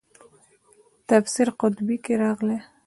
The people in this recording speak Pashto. تفسیر قرطبي کې راغلي.